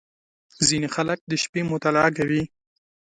• ځینې خلک د شپې مطالعه کوي.